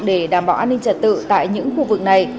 để đảm bảo an ninh trật tự tại những khu vực này